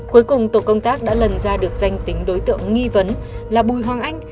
cuối cùng tổ công tác đã lần ra được danh tính đối tượng nghi vấn là bùi hoàng anh